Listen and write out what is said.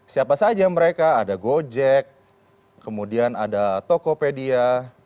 siapa saja mereka ada gojek kemudian ada tokopedia